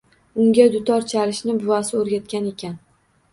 Unga dutor chalishni buvasi o‘rgatgan ekan